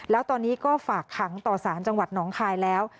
แล้วตอนนี้ก็ฝากขังต่อสารจังหวัดหนองคายแล้ว